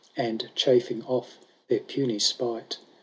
And chafing off their puny spite.